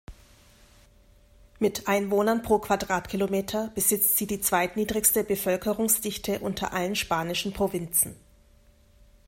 Mit Einwohnern pro Quadratkilometer besitzt sie die zweitniedrigste Bevölkerungsdichte unter allen spanischen Provinzen.